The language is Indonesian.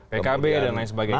pkb dan lain sebagainya